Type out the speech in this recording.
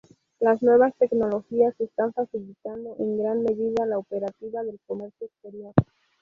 Las nuevas tecnologías están facilitando en gran medida la operativa del comercio exterior.